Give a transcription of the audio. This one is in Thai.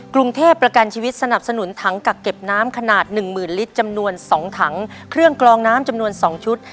กรุงเทพประกันชีวิตสนับสนุนถังกักเก็บน้ำขนาดหนึ่งหมื่นลิตรจำนวน๒ถังเครื่องกลองน้ำจำนวน๒ชุด